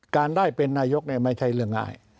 การได้เป็นนายกไม่ใช่เรื่องง่าย